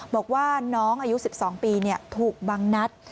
บอกว่าน้องอายุ๑๒ปีถูกบังนัด